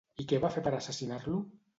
I què va fer per assassinar-lo?